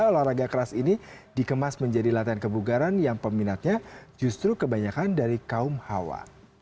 olahraga keras ini dikemas menjadi latihan kebugaran yang peminatnya justru kebanyakan dari kaum hawa